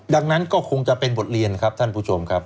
ดังนั้นก็คงจะเป็นบทเรียนครับท่านผู้ชมครับ